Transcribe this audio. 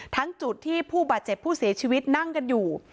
จุดที่ผู้บาดเจ็บผู้เสียชีวิตนั่งกันอยู่